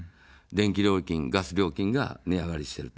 電気料金、ガス料金が値上がりしている。